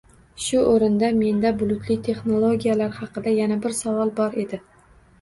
Shu oʻrinda menda bulutli texnologiyalar haqida yana bir savol bor edi.